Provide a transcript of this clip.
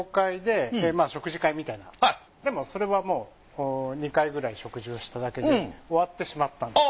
でもそれはもう２回くらい食事をしただけで終わってしまったんです。